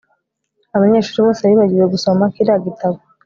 Abanyeshuri bose bibagiwe gusoma kiriya gitabo